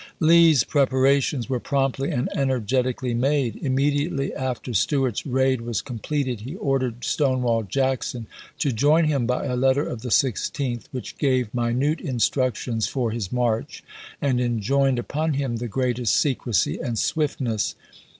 Lee's preparations were promptly and energeti cally made. Immediately after Stuart's raid was completed he ordered Stonewall Jackson to join him by a letter of the 16th, which gave minute instructions for his march and enjoined upon him the greatest secrecy and swiftness.